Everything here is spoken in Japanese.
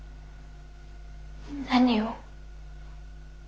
何を？